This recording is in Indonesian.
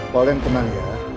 paul yang tenang ya